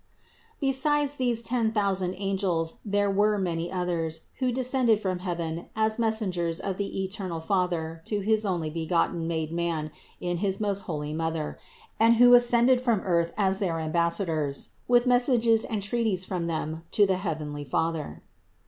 Besides these ten thousand angels there were many others, who descended from heaven as messengers of the eternal Father to his Onlybegotten made man in his most holy Mother, and who ascended from earth as their ambassa dors with messages and treaties from them to the heavenly Father.